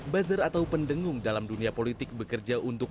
buzzer atau pendengung dalam dunia politik bekerja untuk